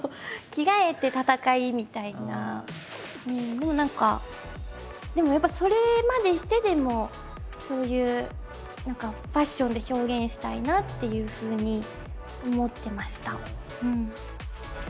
でも何かでもやっぱりそれまでしてでもそういうファッションで表現したいなっていうふうに思ってました。